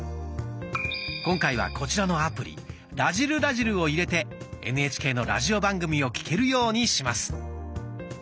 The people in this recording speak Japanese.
今回はこちらのアプリ「らじる★らじる」を入れてＮＨＫのラジオ番組を聴けるようにします。